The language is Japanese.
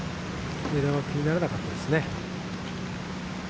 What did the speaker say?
気にならなかったですね。